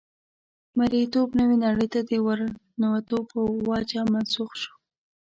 مرییتوب نوې نړۍ ته د ورننوتو په وجه منسوخ شو.